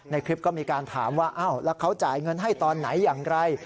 คลิปก็มีการถามว่าอ้าวแล้วเขาจ่ายเงินให้ตอนไหนอย่างไร